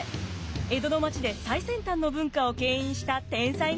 江戸の町で最先端の文化を牽引した天才がいました。